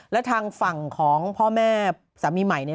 แล้วทางฝั่งของพ่อแม่สามีใหม่เนี่ย